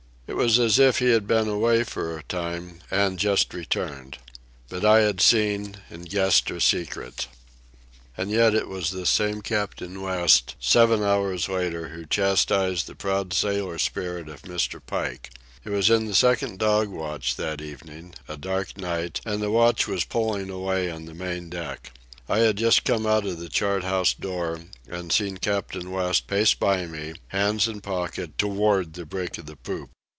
It was as if he had been away for a time and just returned. But I had seen, and guessed her secret. And yet it was this same Captain West, seven hours later, who chastened the proud sailor spirit of Mr. Pike. It was in the second dog watch that evening, a dark night, and the watch was pulling away on the main deck. I had just come out of the chart house door and seen Captain West pace by me, hands in pockets, toward the break of the poop.